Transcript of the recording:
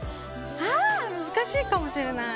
難しいかもしれない。